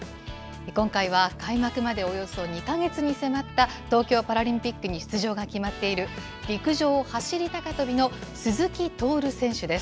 今回は、開幕までおよそ２か月に迫った東京パラリンピックに出場が決まっている、陸上走り高跳びの鈴木徹選手です。